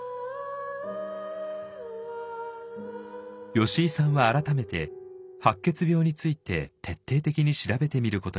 吉井さんは改めて白血病について徹底的に調べてみることにしました。